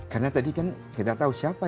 karena tadi kan kita tahu siapa